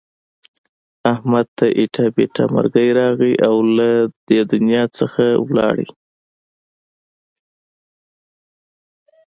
احمد ته ایټه بیټه مرگی راغی او له دنیا څخه ولاړو.